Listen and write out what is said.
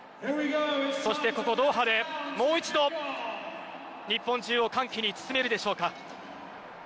そしてここドーハでもう一度日本中を歓喜に包めるでしょうか。